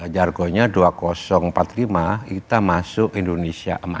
jargonya dua ribu empat puluh lima kita masuk indonesia emas